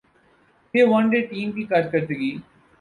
کہ one day team کی کارکردگی